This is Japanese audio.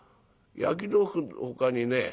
焼き豆腐のほかにね